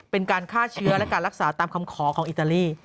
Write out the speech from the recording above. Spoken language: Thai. เป็นการฆ่าเชื้อและการรักษาตามคำขอของอิตาลี